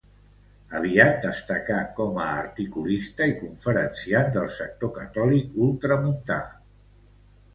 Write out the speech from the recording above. Aviat destacà com a articulista i conferenciant del sector catòlic ultramuntà.